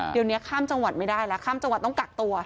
เดี๋ยวนี้ข้ามจังหวัดไม่ได้แล้วข้ามจังหวัดต้องกักตัว